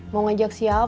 mau ngajak siapa